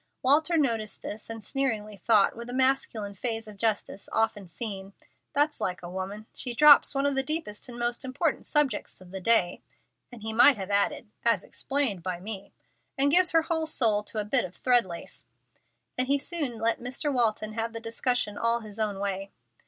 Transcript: Walter noted this and sneeringly thought, with a masculine phase of justice often seen, "That's like a woman. She drops one of the deepest and most important subjects of the day" (and he might have added, "As explained by me") "and gives her whole soul to a bit of thread lace;" and he soon let Mr. Walton have the discussion all his own way.